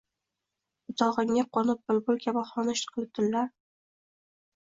Butog’ingga qo’nib bulbul kabi xonish qilib tunlar